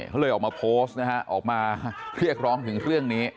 เขาเลยออกมาโพสต์นะฮะออกมาเรียกร้องถึงเรื่องนี้